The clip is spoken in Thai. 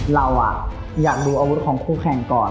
เราอยากดูอาวุธของคู่แข่งก่อน